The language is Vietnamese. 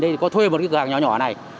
thì có thuê một cái cửa hàng nhỏ nhỏ này